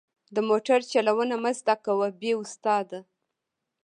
د موټر چلوونه مه زده کوه بې استاده.